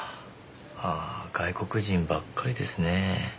ああ外国人ばっかりですね。